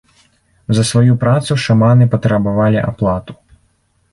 За сваю працу шаманы патрабавалі аплату.